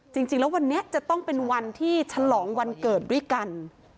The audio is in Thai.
จริงแล้ววันนี้จะต้องเป็นวันที่ฉลองวันเกิดด้วยกัน